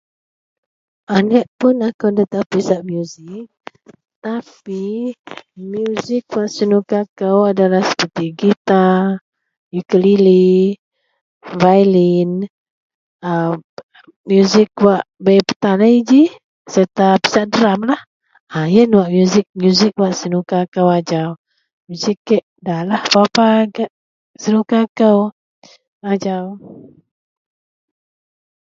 aneak pun akou dataau pisak music tapi music wak senuka kou adalah seperti gitar, ukelele, veyilin a music wak bei petalie ji, serta pisak derumlah, a ien music-music wak senuka kou ajau, music kek dalah berapa gak senuka kou ajau